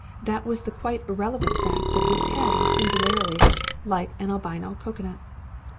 That was the quite irrelevant fact that his head was singularly like an albino cocoanut.